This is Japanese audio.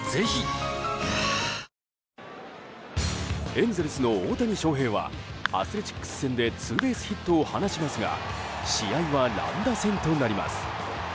エンゼルスの大谷翔平はアスレチックス戦でツーベースヒットを放ちますが試合は乱打戦となります。